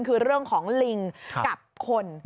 คือเรื่องของลิงกับคน